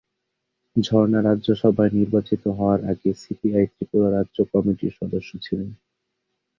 ঝর্ণা রাজ্যসভায় নির্বাচিত হওয়ার আগে সিপিআই ত্রিপুরা রাজ্য কমিটির সদস্য ছিলেন।